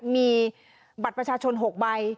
มีบัตรประชาชน๖ใบ